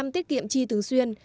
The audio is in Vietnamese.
một mươi tiết kiệm chi từng xuyên